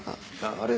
あれ？